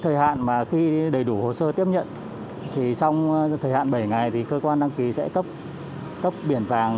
thời hạn mà khi đầy đủ hồ sơ tiếp nhận thì trong thời hạn bảy ngày thì cơ quan đăng ký sẽ cấp cấp biển vàng